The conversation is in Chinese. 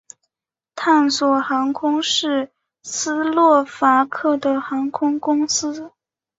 探索航空是斯洛伐克的航空公司。